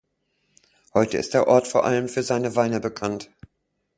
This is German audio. Heute ist der Ort vor allem für seine Weine bekannt.